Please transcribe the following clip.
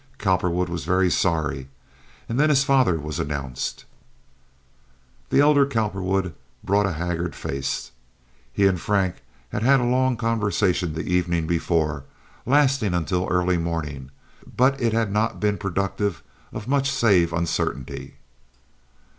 Cowperwood was very sorry. And then his father was announced. The elder Cowperwood brought a haggard face. He and Frank had had a long conversation the evening before, lasting until early morning, but it had not been productive of much save uncertainty.